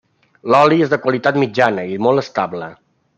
L'oli és de qualitat mitjana i molt estable.